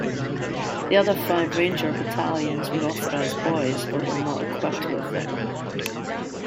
The other five Ranger battalions were authorized Boys, but were not equipped with them.